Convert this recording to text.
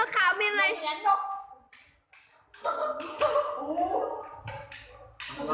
ทำเสียงของน้อง